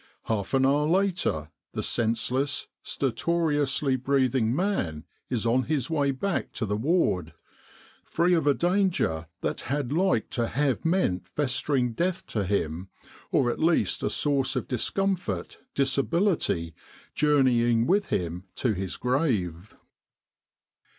Half an hour later the senseless, stertorously breathing man is on his way back to the ward, free of a danger that had like to have meant festering death to him or at least a source of discomfort, disability, journeying with him to his grave.